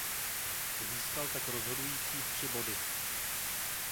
Získal tak rozhodující tři body.